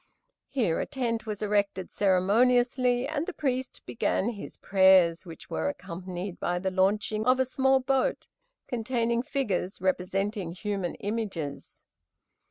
Here a tent was erected ceremoniously, and the priest began his prayers, which were accompanied by the launching of a small boat, containing figures representing human images.